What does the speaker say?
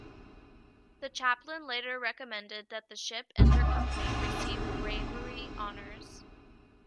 The chaplain later recommended that the ship and her company receive bravery honours.